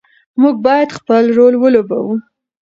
موږ باید خپل رول ولوبوو.